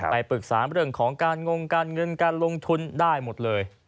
ไปปรึกษาเรื่องของการงงการเงินการลงทุนได้หมดเลย